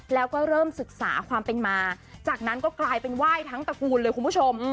แล้วก็เริ่มศึกษาความเป็นมาจากนั้นก็กลายเป็นไหว้ทั้งตระกูลเลยคุณผู้ชม